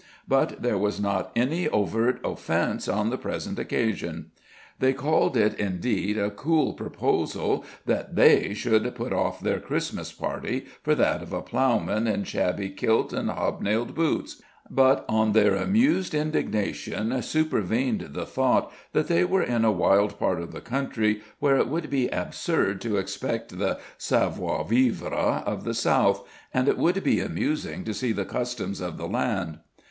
But there was not any overt offence on the present occasion. They called it indeed a cool proposal that THEY should put off their Christmas party for that of a ploughman in shabby kilt and hob nailed shoes; but on their amused indignation supervened the thought that they were in a wild part of the country, where it would be absurd to expect the SAVOIR VIVRE of the south, and it would be amusing to see the customs of the land.